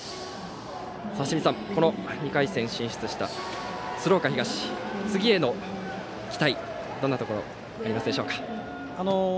清水さん、２回戦に進出した鶴岡東次への期待はどんなところがありますでしょうか。